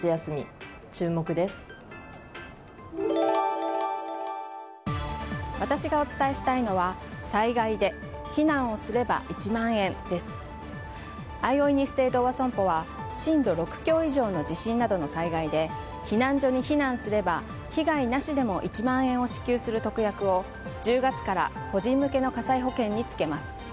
あいおいニッセイ同和損保は震度６強以上の地震などの災害で避難所に避難すれば被害なしでも１万円を支給する特約を１０月から個人向けの火災保険につけます。